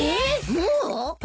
もう？